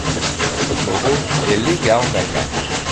Mauro est légat en Allemagne.